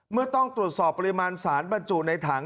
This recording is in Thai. เมื่อต้องตรวจสอบปริมาณสารบรรจุในถัง